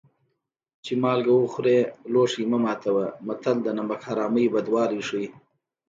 چې مالګه وخورې لوښی مه ماتوه متل د نمک حرامۍ بدوالی ښيي